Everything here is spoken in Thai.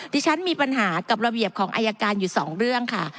ที่ฉันมีปัญหากับระเบียบของอายการอยู่สองเรื่องค่ะ